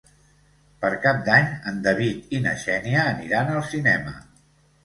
Per Cap d'Any en David i na Xènia aniran al cinema.